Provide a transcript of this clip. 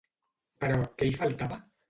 Però, què hi faltava?